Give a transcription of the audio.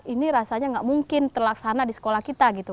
ini rasanya nggak mungkin terlaksana di sekolah kita gitu